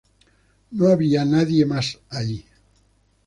No había nadie más ahí.